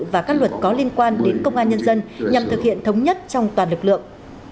và các luật có liên quan đến công an nhân dân nhằm thực hiện thống nhất trong toàn lực lượng